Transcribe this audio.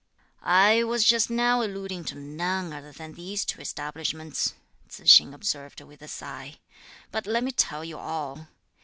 "I was just now alluding to none other than these two establishments," Tzu hsing observed with a sigh; "but let me tell you all.